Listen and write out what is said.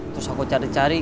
terus aku cari cari